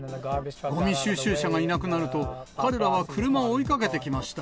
ごみ収集車がいなくなると、彼らは車を追いかけてきました。